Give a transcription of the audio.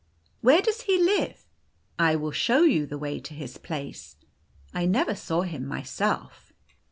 " Where does he live ?"" I will show you the way to his place. I never saw him myself."